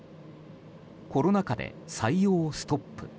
コロナ禍で採用をストップ。